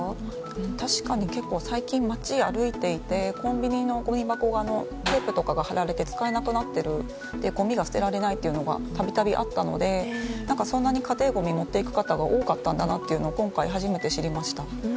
確かに結構、最近街を歩いていてコンビニのごみ箱にテープとかが貼られて使えなくなっていてごみが捨てられないというのが度々あったので、そんなに家庭ごみを持っていく方が多かったんだなと今回、初めて知りました。